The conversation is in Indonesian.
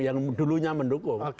yang dulunya mendukung